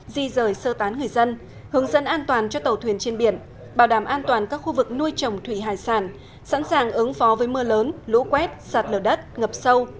di rời sơ tán người dân hướng dẫn an toàn cho tàu thuyền trên biển bảo đảm an toàn các khu vực nuôi trồng thủy hải sản sẵn sàng ứng phó với mưa lớn lũ quét sạt lở đất ngập sâu